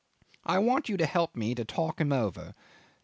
I want you to help me to talk him over."